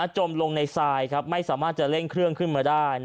จมลงในทรายไม่สามารถจะเร่งเครื่องขึ้นมาได้